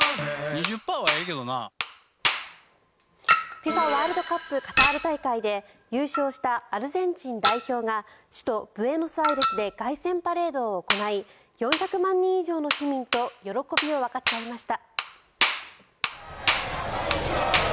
ＦＩＦＡワールドカップカタール大会で優勝したアルゼンチン代表が首都ブエノスアイレスで凱旋パレードを行い４００万人以上の市民と喜びを分かち合いました。